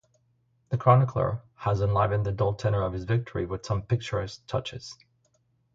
The Chronicler has enlivened the dull tenor of his history with some picturesque touches.